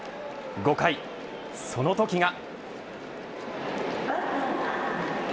５回、そのときが。